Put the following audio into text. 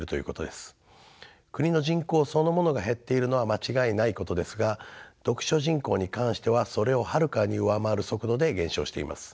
国の人口そのものが減っているのは間違いないことですが読書人口に関してはそれをはるかに上回る速度で減少しています。